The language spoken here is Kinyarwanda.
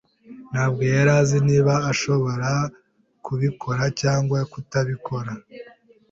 ntabwo yari azi niba ashobora kubikora cyangwa kutabikora.